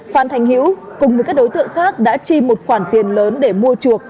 phan thành hữu cùng với các đối tượng khác đã chi một khoản tiền lớn để mua chuộc